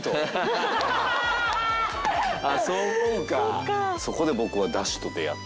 あっそう思うか。